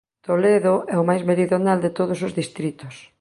Toledo é o máis meridional de todos os distritos.